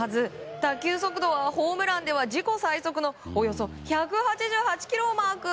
打球速度はホームランでは自己最速のおよそ１８８キロをマーク。